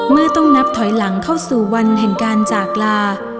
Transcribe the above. เมื่อต้องนับถอยหลังเข้าสู่วันแห่งการจากลา